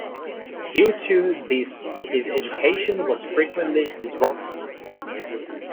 Due to this his education was frequently disrupted.